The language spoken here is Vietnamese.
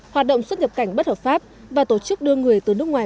hoạt động xuất nhập cảnh bất hợp pháp và tổ chức đưa người từ nước ngoài